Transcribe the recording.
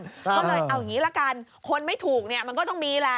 ก็เลยเอาอย่างนี้ละกันคนไม่ถูกเนี่ยมันก็ต้องมีแหละ